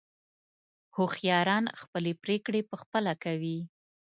هوښیاران خپلې پرېکړې په خپله کوي.